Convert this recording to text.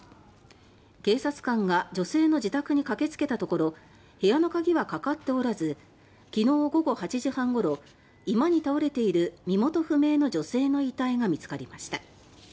警察官が女性の自宅にかけつけたところ部屋の鍵はかかっておらずきのう午後８時半ごろ居間に倒れている身元不明の女性の遺体が見つかりました。